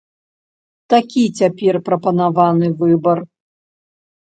Такі цяпер прапанаваны выбар.